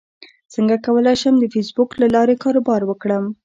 څنګه کولی شم د فېسبوک له لارې کاروبار وکړم